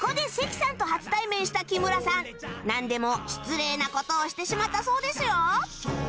なんでも失礼な事をしてしまったそうですよ